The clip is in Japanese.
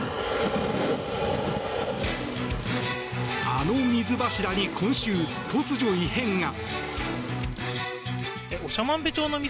あの水柱に今週、突如異変が！